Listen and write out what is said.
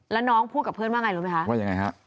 แล้วน้องพูดกับเพื่อนว่าไงรู้ไหมคะว่ายังไงฮะ